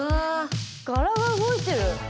柄が動いてる！